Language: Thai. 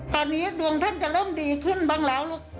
ตอนนี้ดวงท่านจะเริ่มดีขึ้นบ้างแล้วลูก